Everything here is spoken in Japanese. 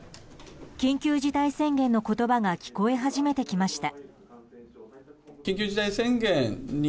緊急事態宣言の言葉が聞こえ始めてきました。